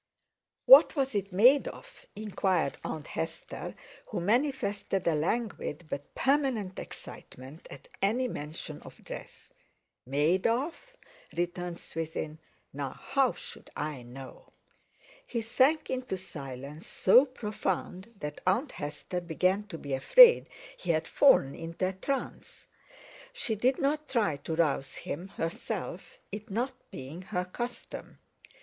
"What was it made of?" inquired Aunt Hester, who manifested a languid but permanent excitement at any mention of dress. "Made of?" returned Swithin; "now how should I know?" He sank into silence so profound that Aunt Hester began to be afraid he had fallen into a trance. She did not try to rouse him herself, it not being her custom.